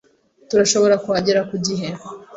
Turashobora kuhagera ku gihe.